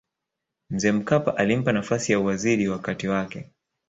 mzee mkapa alimpa nafasi ya uwaziri wakati wake